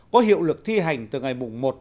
có hiệu lực thi hành từ ngày một một hai nghìn bảy